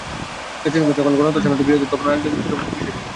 জাতিসংঘে যখন গণহত্যা সনদটি গৃহীত হয়, তখনো রাজনৈতিক জোটবদ্ধতার বিষয় ছিল।